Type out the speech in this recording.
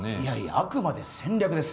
あくまで戦略です